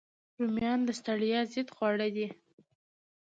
رومیان د ستړیا ضد خواړه دي